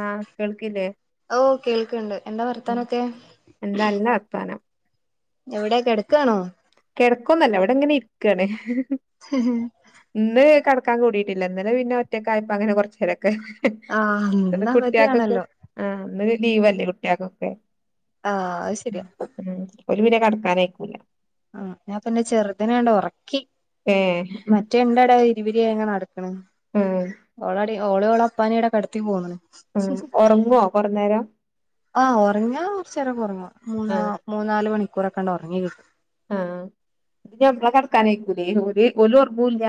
ആഹ് കേൾക്കില്ലേ ഓ കേൾക്ക്ണ്ട് എന്താ ഉം വർത്താനൊക്കെ എന്താ നല്ല വർത്താനം എവടെ കെടക്കയാണോ കെടക്കുന്നല്ല ഇവടെ ഇങ്ങനെ ഇരിക്ക്യണ് [unintelligible] ഇന്ന് കെടക്കാൻ കൂടിയിട്ടില്ല ഇന്നലെ പിന്നെ ഒറ്റക്കായപ്പ അങ്ങനെ കൊറച്ചേരൊക്കെ. ആഹ് ഇന്ന് കുട്ടിയാക്കൊക്കെ ഇന്നവധിയാണല്ലോ ആഹ് ഇന്ന് ലീവല്ലേ കുട്ടിയാക്കൊക്കെ. ആഹ് അയ് ശരിയാ ഓൽ പിന്നെ കടക്കാനായിക്കുല ആഹ് ഞാൻ പിന്നെ ചെറ്തിനണ്ട് ഒറക്കി. ഏഹ് മറ്റേ ഇണ്ടടെ ഇവര്യ എങ്ങനെ അടക്കണെ ഉം ഓളടി ഓളോളേ അപ്പാനേ അവടെ കെടത്തി പോന്ന്. ഉം ഒറങ്ങോ കൊറ നേരം ആഹ് ഒറങ്ങിയാ കൊറച്ച് നേരം ഒറങ്ങും മൂന്നാ ആഹ് മൂന്നാല് മണിക്കൂറൊക്കണ്ട് ഒറങ്ങി കിട്ടും. ആഹ് ഇത് എപ്പ കെടക്കാനായിരിക്കൂല്ലേ ഓര് ഒറങ്ങൂല്ല.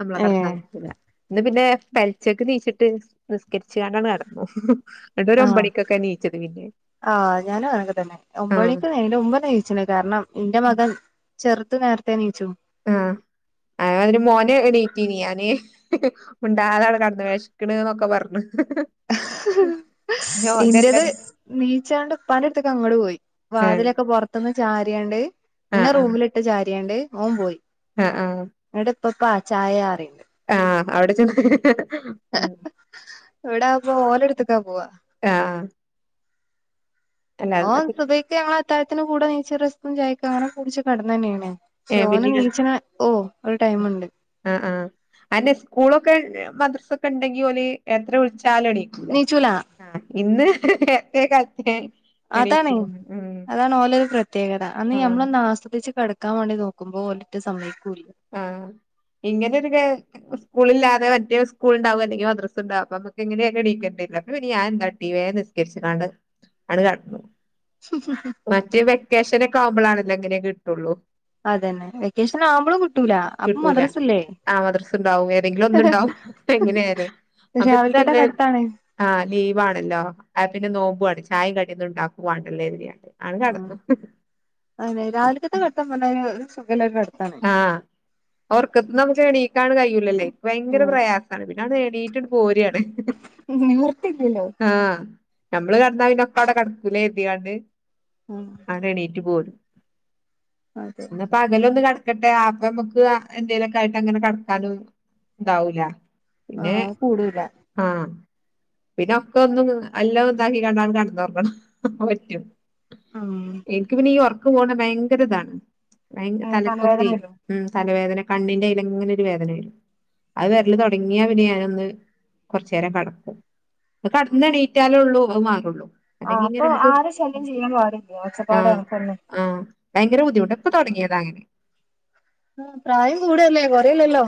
നമ്മളെ ഏഹ് കിടക്ക്യാന്ന് നിക്കുല്ലാ ഇന്ന് പിന്നെ [unintelligible] നിസ്കരിച്ചാണ്ടാണ് കെടന്നു. ആഹ് ആഹ് ഞാനും അങ്ങനതന്നെ ഒമ്പതു ആഹ് മണിക്ക് എന്റെ [unintelligible] കാരണം ഇന്റെ മകൻ ചെറുത് നേരത്തെേ എണീച്ചു. ആഹ് ആ അതിന് മോനെ എണീറ്റീനി ഞാന് [unintelligible] മുണ്ടാതെ അവിടെ കെടന്ന് വെശക്ക്ണ്ന്ന് ഒക്കെ പറഞ്. ഇന്റേത് നീച്ചാണ്ട് ഇപ്പാന്റെ അട്ത്ത്ക്ക് അങ്ങട് പോയി ഏഹ് വാതിലൊക്കെ പൊർത്ത്ന്ന് ചാരിയാണ്ട് ആഹ് ഇന്നെ ആഹ് റൂമിലി ചാരിയാണ്ട് ഓൻ പോയി ആഹ് ആഹ് ഇന്നട്ട് ഇപ്പപ്പ ചായ അറിണ്ട് ആഹ് അവിടെ ചെന്ന് ഉം ഇവ്‌ടാവുമ്പോ ഓലെ എടുത്ത്ക്കാ പോവാ ആഹ് അല്ല ഓൻ സുഭയ്ക്ക് ഞങ്ങൾ അത്തായത്തിന് കൂടെ നീച്ച് റെസ്ക്കും ചായക്കും അങ്ങനെ കുടിച്ച് കടന്നെന്നേണ് ക്ഷേ ഏഹ് ഓന് പിന്നീട് നീച്ച്ണെ ഓ ഒരു ടൈമ്ണ്ട് ആ ആഹ് അതന്നെ സ്കൂളൊക്കെ മദ്രസൊക്കെ ഇണ്ടെങ്കി ഓല് എത്ര വിളിച്ചാലും എണിക്കു നീച്ചുല ആ ഇന്ന് നേർത്തെ കാൽത്തെ അതാണെയ് അതാണ് ഓലരു പ്രത്യേകത അന്ന് ആഹ് ഞമ്മളൊന്ന് ആസ്വദിച്ച് കെട ക്കാൻ വേണ്ടി നോക്കുമ്പോ ഓലെറ്റെ സമ്മയ്ക്കുല്ല ആഹ് ഇങ്ങനൊരു കെ സ്കൂളില്ലാതെ മറ്റേ സ്കൂള് ഇണ്ടാവും അല്ലെങ്കി മദ്റസ ഇണ്ടാവും അപ്പൊ അമ്മക്ക് എങ്ങനെണെങ്കിലും എണീക്കേണ്ടിരില്ലേ അപ്പൊപിന്നെ ഞാന് എന്താട്ടി വേം നിസ് രിച്ച്കാണ്ട് അണ് കടക്കും പി ഉ മറ്റേ വെക്കേഷനക്കെ ആവുമ്പോളണെല്ലേ ഇങ്ങനെ കിട്ടൊള്ളൂ അതന്നെ വെക്കേഷൻ ആവുമ്പളും കിട്ടൂല അപ്പൊ കിട്ടൂല മദ്രസല്ലേ? ആ മദ്രസ് ഇണ്ടാവും ഏതെങ്കിലും ഒന്ന് ഇണ്ടാവും എങ്ങനെ ആയാലും അപ്പൊ രാവിലക്കത്തെ എന്തല്ലേ കടുത്താണ് ആഹഹ് ലീവാണല്ലോ അപ്പൊ പിന്നെ നോമ്പു ആണ് ചായിം കടിയൊന്ന് ഇണ്ടാക്കുവാണ്ടല്ലോ കരിതിയാണ്ട് ആത് നടക്കും അതെന്നെ രാവിൽക്കത്തെ കടത്തം പറഞ്ഞ ഒരു ഒര് സുഖള്ള ഒര് കട ആഹ് ഒർക്കത്ത്ന്ന് അമ്മക്ക് എണീക്കാണ് കഴിയുലല്ലേ ഭയങ്കര ആഹ് പ്രയാ സാണ് പിന്നെ അവ്ട്ന്ന് എണീറ്റ്ണ് പോര് ആണ് നിവർത്തില്ലല്ലോ ആഹ് അമ്മള് കെടന്നാ പിന്നൊക്ക അവിടെ കെടക്കൂലേ കെര്തിയാണ്ട് ഓൻ അണെ എണീറ്റ് പോരും അതെ ഇന്ന് പകലൊന്ന് കട്ക്കട്ടെ അപ്പ അമ്മക്ക് എന്തേലൊക്കെ ആയിട്ട് അങ്ങനെ കട്ക്കാനും ഇതാവൂല പിന്നെ ആഹ് കൂടൂല ആഹ് പിന്നെ ഒക്കെ ഒന്നും എല്ലാ ഇതാക്കി കണ്ടാണ് കടന്നോർങ്ങണം പറ്റും ആഹ് ഇൻക്ക് പിന്നെ ഈ ഒർക്ക് പോണെ ഭയങ്കരതാണ് ഭയങ്ക തല തലവേദന വരും ഉം തലവേദന കണ്ണിന്റെ അയിലങ്ങനെ ഒരു വേദന വെരും അത് വെര്ല് തൊട ങ്ങിയ പിന്നെ ഞാനൊന്ന് കൊറച്ചേരം കടക്കും. ഒന്ന് കടന്നെണീറ്റാലേ ഒള്ളൂ അത് മാറൊള്ളൂ. ആ അപ്പൊ ആരും ശല്യം ചെയ്യാൻ പാടില്ലേ ഒച്ചപ്പാടും ആഹ് അനക്കൊന്നും ആഹ് ഭയങ്കര ബുദ്ധിമുട്ട ഇപ്പൊ തൊടങ്ങിയേത അങ്ങനെ ഉം പ്രായം കൂടല്ലേ കൊ റയല്ലല്ലോ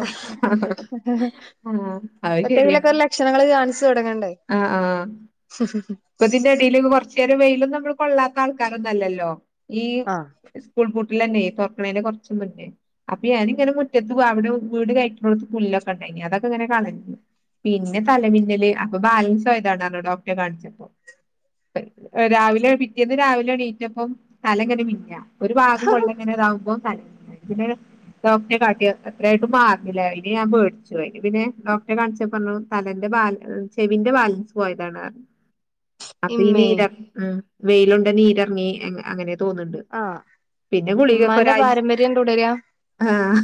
ആഹ് അത് ശരിയാണ് അപ്പത്തെയിലൊക്കെ ലക്ഷണങ്ങൾ കാണിച്ച് തൊടങ്ങണ്ടേ? ആഹ് ആഹ് [unintelligible] ചെറിയെ വെയിലൊന്നും അമ്മള് കൊള്ളാത്ത ആൾക്കാരൊന്നല്ലല്ലോ ഈ ആഹ് സ്കൂൾ പൂട്ടിലെന്നെ തോർക്കിണീന്റെ കൊറച്ച് മുന്ന് അപ്പൊ ഞാനിങ്ങനെ മുറ്റത്ത് അവിടെ വീട് കഴറ്റ്ണോട്ത്ത് പുല്ലൊക്കെ ഇണ്ടായിനി അതൊക്കെ ഇങ്ങനെ കളഞ്ഞു പിന്നെ തലമിന്നല് അപ്പൊ ബാലൻസ് പോയതാണ് പറഞ്ഞു ഡോക്ടറെ കാണിച്ചപ്പോ രാവിലെ പിറ്റേന്ന് രാവിലെ എണീറ്റപ്പം തല ഇങ്ങനെ മിന്ന ഒരു ഭാഗം കൊള്ളെ ഇങ്ങനെ അതാവുമ്പം തലമിന്ന പിന്നെ ഡോക്ടറെ കാട്ടി എത്രായിട്ട് മാർണ്ല്ല അയ്‌ല് ഞാൻ പേട്ച്ചു പോയി അയ്‌ല് പിന്നെ ഡോക്ടറെ കാണിച്ച പറഞ്ഞു തലന്റെ ബാല ചെവിന്റെ ബാലൻസ് പോയതാണ് അപ്പൊ ഈ ഇമ്മേ നീര ഉം വെയിലുണ്ട് നീരിറങ്ങി അങ്ങനെ തോന്ന്ണ്ട് ആഹ് പിന്നെ ഗുളികക്കൊ ഇമ്മാന്റെ ഒരാഴ് [unintelligible] തുടരാ ആഹ്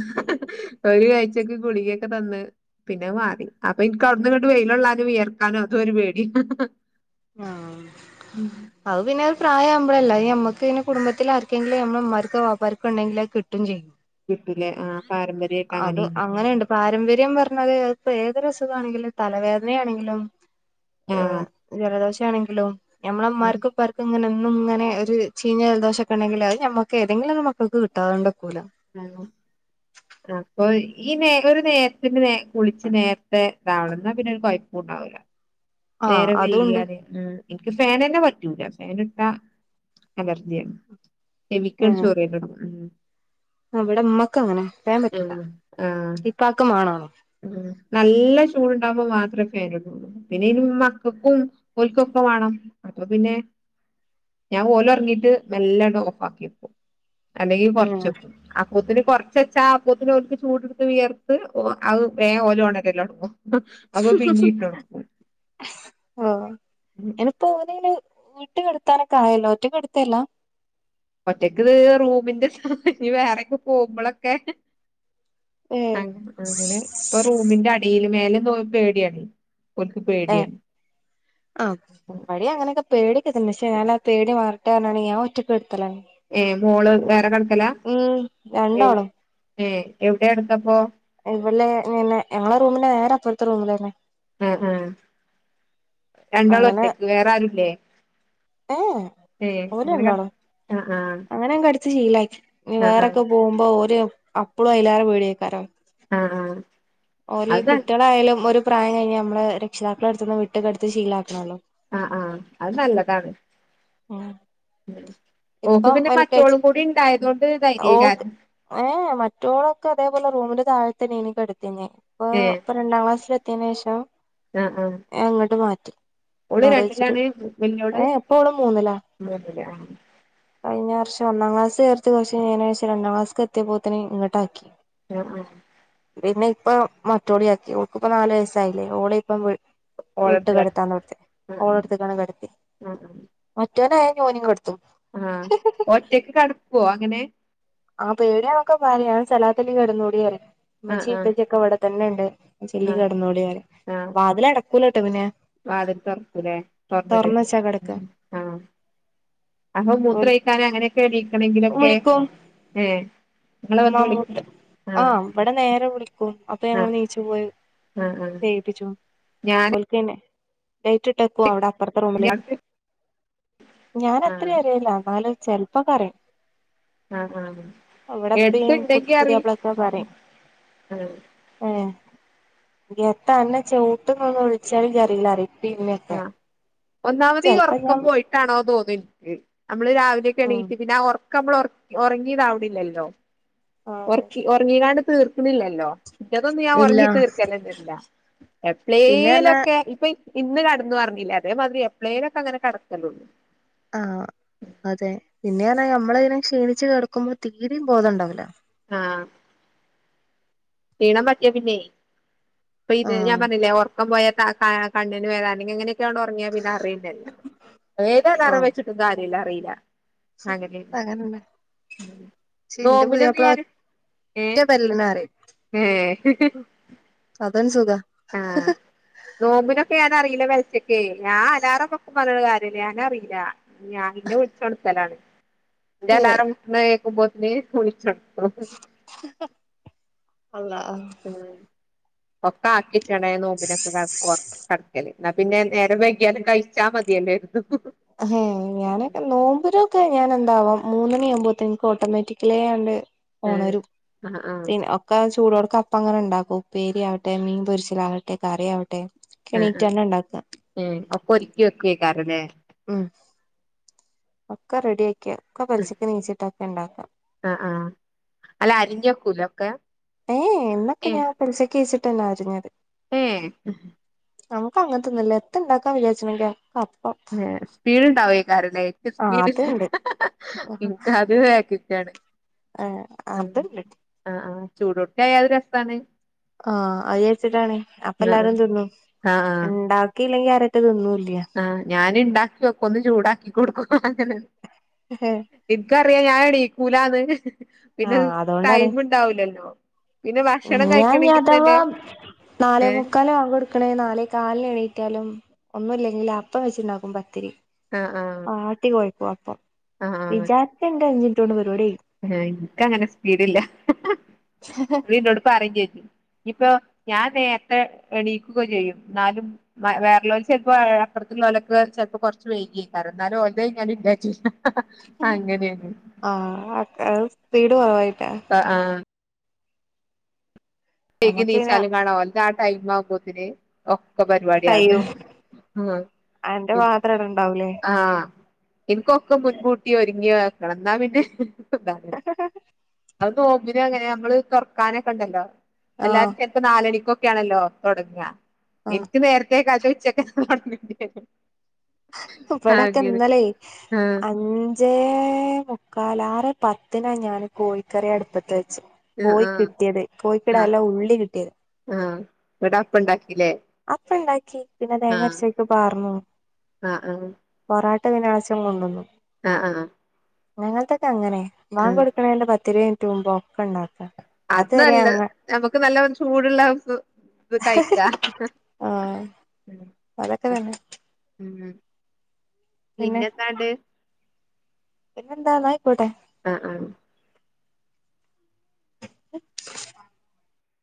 ഒരു കാഴ്ചക്ക് കുളികൊക്കെ തന്ന് പിന്നെ മാറി അപ്പൊ എനിക്ക് അവ്ട്ന്ന്ങ്ങട്ട് വെയിലൊള്ളാനും വിയർക്കാനും അതൊരു പേടി ആഹ് ഉം അത് പിന്നെ പ്രായം ആവുമ്പഴല്ലെ അയ്ന് നമ്മക്കന്നെ കുടുംബത്തിൽ ആർക്കെങ്കിലും നമ്മമാർക്കോ വാപ്പാർക്കോ ഉണ്ടെങ്കിൽ അത് കിട്ടും ചെയ്യും കിട്ടു ലേ ആഹ് പാരമ്പര്യായിട്ട് അത് അങ്ങനെ ഇല്ല അങ്ങനെയുണ്ട് പാരമ്പര്യം പറഞ്ഞത് ഇപ്പ ഏതൊരു അസുഖാണെങ്കിലും തലവേദനയാണെങ്കിലും ആഹ് ജലദോഷ ആണെങ്കിലും ഞമ്മളമാർക്കും ഉപ്പാർ ഇങ്ങനെന്നും ഇങ്ങനെ ഒരു ചീഞ്ഞ ജലദോഷൊക്കെണ്ടെങ്കിൽ അത് നമ്മുക്ക് ഏതെങ്കിലും ഒരു മക്കൾക്ക് കിട്ടാതെണ്ടക്കൂല്ല ആ അപ്പൊ ഈ നേ ഒരു നേരത്തിന് നേ കുളിച്ച നേര ഇതാവന്ന പിന്നെ ഒരു കൊഴപ്പണ്ടാവൂല ആഹ് നേരം അതുണ്ട് വെയ്കിയാല് ഉം എനിക്ക് ഫേനന്നെ പറ്റൂല ഫേന് ഇട്ട അലർജിയാണ് എനിക്കങ് ചോറ് വെയ്ക്കണം ഇവടെ ഉമ്മാക്ക് അങ്ങനെ ഫാൻ പറ്റില്ല ആഹ് ഇപ്പാക്ക് മാണാനും ഉം നല്ല ചൂടാവുമ്പൊ മാത്രേ ഫേൻ ഇടുള്ളൂ പിന്നെ ഈ മക്കൾക്കും ഓൽക്കൊക്കെ വാണം അപ്പൊ പിന്നെ ഞാൻ ഓലൊർങ്ങീട്ട് മെല്ലെങ്ട്ട് ഓഫാക്കിടും അല്ലെങ്കി ഏഹ് കൊർച്ചക്കും അപ്പോത്തിന് കൊർച്ച് വെച്ചാ അപ്പോത്തിന് അവർക്ക് ചൂട്‌ട്ത്ത് വിയർത്ത് ഓ അത് വേ ഓലോണകലൊട്ങ്ങും അപ്പൊ പിന്നീട്ടൊട്ക്കും ഇപ്പ ഓലയ്ന് വീട്ട് കടത്താനൊക്കെ ആയല്ലോ ഒറ്റക്കടത്തല്‌ല്ല ഒറ്റക്ക്ത് റൂമിന്റെ വേറെക്കെ പോകുമ്പളൊക്കെ ഏഹ് അ അങ്ങനെ ഇപ്പൊ റൂമിന്റെ അടിയില് മേലക്ക് പോകുമ്പോ പേടിയാണ് ഓൽക്ക് പേടിയാണ് ആഹ് ഇവടി അങ്ങനൊക്കെ പേടിയൊക്കെ തന്നെ ക്ഷേ ഞാ പേടി മാറട്ടേർനാണ് ഞാൻ ഒറ്റക്ക് കെട്ത്തലാണ് ഏഹ് മോള് വേറെ കെട്ക്കല എ രണ്ടാളും ഏഹ് എവിടെ കെട്ക്കാപ്പോ ഇവളെ പിന്നെ ഞങ്ങളെ റൂമിന്റെ നേരെ അപ്പർത്തെ റൂമിലന്നെ അഹ് ആഹ് രണ്ടാള അങ്ങനെ ഒറ്റക്ക് വേറെ ആരുല്ലേ ഏ ഏഹ് ഓല് അങ്ങനെ രണ്ടാളും ആഹ് അങ്ങനെ ഞാൻ കടിച്ച് ശീലാക്കി ആഹ് ആഹ് വേറൊക്കെ പോകുമ്പോ ഓര് അപ്പളും അയ്‌ലാറെ പേടിയാക്കേരം ആഹ് ആഹ് ആഹ് ഓല് അത് കുട്ടികളായാലും ഒരു പ്രായം ആയ നമ്മള് രക്ഷിതാക്കള അട്ത്ത്ന്ന് വിട്ട് കട്ത്തി ശീലാക്കണല്ലോ അഹ് ആഹ് അത് നല്ലതാണ് ഉം ഓൾക്ക് ഇപ്പം പിന്നെ എൽ കെ ജി മറ്റോളും കൂടി ഉണ്ടായതൊണ്ട് ദൈര്യാ കേരം ഏഹ് മറ്റോളൊക്കെ അതേപോലെ റൂമിന്റെ താഴെത്തന്നെയ്നി കെടത്തീനേ ഇപ്പൊ ഏഹ് ഇപ്പൊ രണ്ടാം ക്ലാസ്സില എത്തിയതിനേഷം ആഹ് ആഹ് അങ്ങട്ട് മാറ്റി ഓള് രണ്ടിലാണ് വല്യ ഏഹ് ഇപ്പ ഓള് മൂന്നിലാ കഴിഞ്ഞ വർഷം ഒന്നാം ക്ലാസ് ചേർത്ത് പക്ഷേ അയിനേഷം രണ്ടാം ക്ലാസ്ക്ക് എത്തിയപ്പോത്തന് ഇങ്ങട്ട്ആക്കി. [unintelligible] പിന്നെ ഇപ്പ മറ്റോളിയാക്കി ഓക്ക്പ്പൊ നാല് വയസായില്ലേ ഓള ഇപ്പ [unintelligible] വിട്ട് ഓളെട്ത്ത് കെട കെടത്താനോർത്ത് ആഹ് ഓളെടുത്തക്കാണ് കെട്ത്തി ആഹ് ആഹ് മറ്റോനായാ ഇനി ഓനിം കെട്ത്തും ആഹ ഒറ്റക്ക് കടകുവോ അങ്ങനെ? ആ പൊടി യാണൊക്കെ പറയും സലത് ലി കടന്നുകൂടി പറിം. ആഹ് മ്മച്ചി ആഹ് ഇപ്പച്ചിക്കെ വടെ തന്നെ ഉണ്ട് ചെല്ലി ആഹ് കിടന്നോടരെ വാതില അടക്കൂല കേട്ടോ പിനെ വതില് തുറക്കൂലെ തുറന്നിട് കെടക്കാ ആഹ! അഹൊ ഓൽ മൂത്രഴിക്കാന അങ്ങനെയൊക്കെ എണീക്കണെങ്കിലൊക്കെ ഏഹ് നിങ്ങള് വന്ന് വിളിക്ക് മ്മൂട്ട് ആ ആഹ് ഇവിടെ നേരെ വിളിക്കും അപ്പൊ ഞങ്ങൾ നീച്ചു പോയി ആഹ ആഹ ഞാ പിന്നെ ലൈറ്റ് ഇട്ടക്കു അവിടെ അപ്പുറത്തെ റൂമില്. ഇയാൾക്ക് ആഹ് ഞൻത്രയും അറിയില്ല എന്നല് ചെലപ്പോ അറിയും ആഹ ആഹ ഇവിടെ എടുത്ത് ഇപ്പയും ഇണ്ടാക്കി അറിയ പുതിയാപ്പളൊക്കെ പറയും ആഹ ഏ ഗത്തന്നെ ചവിട്ടന്ന ഒന്നന്ന് വിളിച്ചാൽ കറിയില്ല ഇപ്പിംഇമമിം കൊ. ആഹ് ഒന്നാമത് ഈ ഉറക്കം പോയിട്ടാണോ തോന്നുന്നു എനിക്ക് നമ്മള് രാവിലെയൊക്കെ ഉം എണീട്ട് പിന്നെ ആഹാ ഒറ നമ്മൾ ഉറങ്ങിയതാവാനില്ലാലോ? ആഹ് അതെ ഉറക്കി ഉറങ്ങിക്കാണ്ട് തീർക്കുന്നില്ലല്ലോ ഇതൊന്നും ഞാൻ ഇല്ല ഉറങ്ങിയിട്ട് തീർക്കലന്നരില്ല. പിന്നെ പറഞ്ഞാ എപ്ലൈലൊക്കെ ഇപ്പൊ ഇന്ന് കടന്നന്ന് പറഞ്ഞില്ലേ അതേമാതിരി എപ്ലൈലൊക്കെ അങ്ങനെ കടക്കലുള്ളൂ. ആഹ. അതെ പിന്നെയാ നമ്മള് ഇങ്ങനെ ക്ഷീണിച്ചു കേടക്കുമ്പോ തീരയും ബോധം ഉണ്ടാവുല. ആഹ് ക്ഷീണം പറ്റിയ പിന്നെ അപ്പൊ ഇത് ഞാൻ ആഹ് പറഞ്ഞില്ലേ ഓർ ഇപ്പം പോയ കണ്ണിന് വേദാനെ എങ്ങനെയൊക്കെയ ഉറങ്ങിയാ പിന്നെ അറയിന്നല്ല ഏതാലറാം വെച്ചിട്ട്. സുഖാര്യല്ല അറിയില്ല. അങ്ങനെയാണ് അകനണ്ട് ച എന്റെ നോമ്പിനൊന്നും പുതിയപ്പ. ഞാൻ മറ്റ പൽ [unintelligible] ഉം അതാണ് സുഖ ആഹ് നോമ്പിനൊക്കെ ഞാനൻറിയില്ല പെൽചക് ഞാൻ അലാറം വെക്കും പറഞ്ഞ്ട് കാര്യമല്ലേ ഞാൻ അറിയില്ല. ഞാൻ പിന്നെ വിളിച്ചു ഉണർത്തൽ ആണ് എന്റെ ഏഹ് അലാറം കേക്കുമ്പോത്തിന് വിളിച്ച് ഓണർത്തും. അളള ഒക്ക ആക്കി ചട നോപിനൊക്കെ കടക്കല് എന്നാ പിന്നെ നേരം വൈകിയാലും കഴിച്ചാ മതിയല്ലോയിരുന്ന്. ഹമ്മ്.. ഞാനൊക്കെ നോമ്പരൊക്കെ ഞാൻ എന്താവാം മൂന്നണിയ ആവുമ്പോത്തെ എനിക് ഓട്ടോമാറ്റിക്കലേണ്ട്. ഏഹ് ഓണരും ആഹ് ആഹ് പി ഒക്ക ചൂടോട അപ്പം അങ്ങനെ ഉണ്ടാക്കും ഉപ്പേരിയാവട്ടെ മീൻ പൊരിച്ചിലകട്ടെ കറിയവട്ടെ. കെണീറ്റ് തന്നെ ഉണ്ടാക്ക. ഉം ഒകൊ ഒരുകി വെക്കു കേക്കാറല്ലേ. ഉം ഒക്കെ റെഡി ആക്കി ഒക്കെ പെലിചക്ക് നീച്ചിട്ടൊക്കെ ഉണ്ടാക്ക. ആഹാ ആഹഅല്ല അരിഞ്ഞക്കൂല ഒക്കെ. ഏയ് എന്നൊക്കെ ഞാൻ പെലിചക്കച്ചിട്ടന്ന ആരിഞ്ഞത്. ഹോ നമുക്ക് അങ്ങനത്തെന്നുമല്ല എത്ത് ഇണ്ടാക്കാൻ വിചാരിച്ചണെങ്കപ്പം. ഏ സ്പീഡ ഇണ്ടാവോ ക്കാരല്ലേ ആ സ്പീഡ് അത്ണ്ട് ഇല ഏ അത്ണ്ട് ആഹ ആഹ ചൂടൊട്ട ആയാ തൊരു രസണ് ആഹ അത് ചെച്ചിട്ടാണ് അപ്പ ആഹ് എല്ലാരും തിന്നും ആഹ് ഉണ്ടാക്കിയില്ലെങ്കി ആരട്ട് തിന്നുല്ല. ആഹ. ഞാന് ഉണ്ടാക്കി വെക്കും ഒന്ന് ചൂടാക്കി കൊടുക്കും അങ്ങനൊ. ഹേയ്! എനിക്കറിയാം ഞൻ എന്നിക്കൂലാന്ന് ആ പിന്നെ അതുകൊണ്ടാണ് ടൈമ് ഇണ്ടാവൂലല്ലോ. ഞാൻ അഥവാ നാലേ ഏഹ് മുക്കാല് ബക് കൊടുക്ക. കക്കണ നാലേ കാലി എണീറ്റാലും ഒന്നുമില്ലെങ്കിൽ അപ്പം വെച്ചിണ്ടാക്കും പത്തിരി. ആഹ് ആഹ്. വാട്ടി കൊഴ്ക്കും അപ്പം വിചാർച്ച മിനിറ്റ് കൊണ്ട് പരിപാടി കയ്യും. എഹ് എനിക്കങ്ങനെ സ്പീഡില്ല. ഹ കഴിയും [unintelligible] ഇപ്പൊ ഞാൻ നേരത്തെ എണീക്കൊക്കെ ചെയ്യും ന്നാലും വേറെള്ളൊരു ചെലപ്പോ അപ്പുറത്തുള്ളോലൊക്കെ ചെലപ്പൊ കൊറച്ച് വൈകിയകാരം എന്നാലും ഓലത്കഴിഞ്ഞാലും ന്റെ ചെയ്യാ അങ്ങനേണ്‌ ആഹ് അയ് സ്പീഡ് കുറവായിട്ട ആ ആഹ് വൈകി ഞമ്മക്ക് പിന്നെ നീച്ചാലും കാണാ ഓന്റെ ആ ടൈമാകുമ്പോത്തിന് ഒക്കെ പരിപാടിയാണ് കയ്യും ആഹ അന്റെ ന് മാത്രം അവിടെ ഇണ്ടാവൂലേ ആഹ് എന്ക്കൊക്കെ മുൻകൂട്ടി ഒരുങ്ങിയക്കണം എന്നാ പിന്നെ താ അത് നോമ്പിനും അങ്ങനെയാ നമ്മള് തോറക്കാനൊക്കെണ്ടല്ലൊ ആഹ് എല്ലാരും ചെലപ്പോ നാലണിക്കൊക്കെയാണല്ലോ തോടങ്ങ ആഹ് ഇന്ക്ക് നേരത്തെ ർതെ കാലത്തെ ഉച്ചക്ക [unintelligible] ഇവിടക്കെ ഇന്നലേ ആഹ് അന് ജെ മുക്കാല് ആറെ പത്തിനാ ഞാൻ കോഴിക്കറി അടുപ്പത്ത് വെച്ചെ കോയി ആഹ് കിട്ടിയത് ആഹ് കോഴിക്കിടള്ള ഉള്ളി കിട്ടിയത് ആഹ് ന്നിട്ട് അപ്പ ണ്ടാക്കീലെ അപ്പണ്ടാക്കി പിന്നെ തേങ്ങ അരച്ചേക്ക് പാർന്നു ആഹ് ആഹ് പൊറാട്ട [unintelligible] കൊണ്ടുവന്നു ആ ആആഹ് ഞങ്ങൾത്തൊക്കെ അങ്ങനെ വാങ്കു കൊടുക്കണതിന്റെ പത്തിരുവത് മിനുറ്റ് മുമ്പ ഒക്കെ ണ്ടാക്ക അത് ല്ല ഞമ്മുക്ക് നല്ല ചൂടുള്ളാപ്പം - കയ്ക്ക ആഹ് അതൊക്കെ തന്നെ ഉം പിന്നെ എന്താണ്ട് പിന്നെന്താ ന്നാ ആയിക്കോട്ടെ ആഹ് ആഹ്